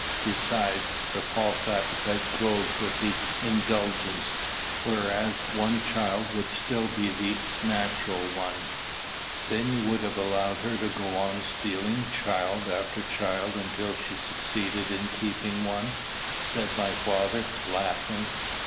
Besides, the false appetite grows with indulgence; whereas one child would still the natural one." "Then you would allow her to go on stealing child after child, until she succeeded in keeping one," said my father, laughing.